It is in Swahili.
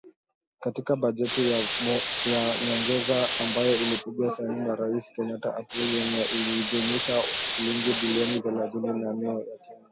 Katika bajeti ya nyongeza ambayo ilipigwa sahihi na Rais Kenyatta Aprili nne , aliidhinisha shilingi bilioni thelathini na nne za Kenya